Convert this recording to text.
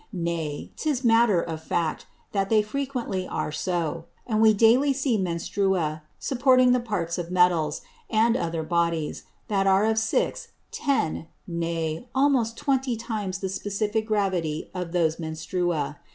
Nay, 'tis Matter of Fact, that they frequently are so; and we daily see Menstrua supporting the Parts of Metals, and other Bodies, that are of six, ten, nay, almost twenty times the specifick Gravity of those Menstrua.